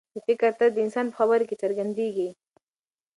د فکر طرز د انسان په خبرو کې څرګندېږي.